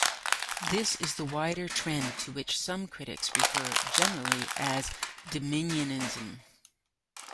This is the wider trend to which some critics refer, generally, as Dominionism.